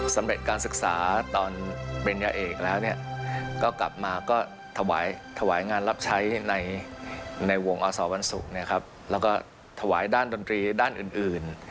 สำเร็จการศึกษาตอนเบญญาเอกแล้วก็กลับมาก็ถวายงานรับใช้ในวงอสวันศุกร์แล้วก็ถวายด้านดนตรีด้านอื่น